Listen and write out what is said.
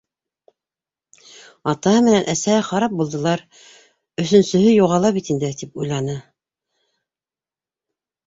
Атаһы менән әсәһе харап булдылар, өсөнсөһө юғала бит инде, тип уйланы.